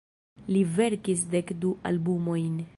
Li verkis dek du albumojn.